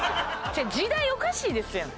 時代おかしいですやん！